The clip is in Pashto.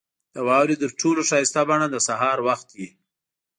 • د واورې تر ټولو ښایسته بڼه د سهار وخت وي.